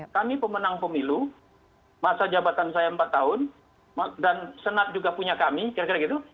kami pemenang pemilu masa jabatan saya empat tahun dan senat juga punya kami kira kira gitu